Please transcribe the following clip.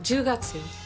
１０月。